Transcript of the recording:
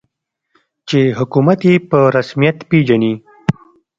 چې حکومت یې په رسمیت پېژني.